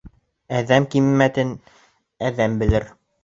Әҙәм ҡиммәтен әҙәм белер.